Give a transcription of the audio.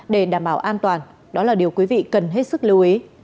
để đảm bảo an toàn đó là điều quý vị cần hết sức lưu ý